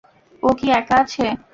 ও কী একা আছে?